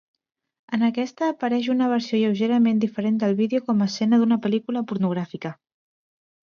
En aquesta apareix una versió lleugerament diferent del vídeo com a escena d'una pel·lícula pornogràfica.